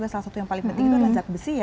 salah satu yang paling penting adalah zat besi